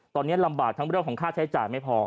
ตอนนี้ลำบากทั้งเรื่องของค่าใช้จ่ายไม่พอ